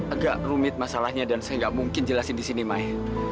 agak rumit masalahnya dan saya nggak mungkin jelasin di sini mai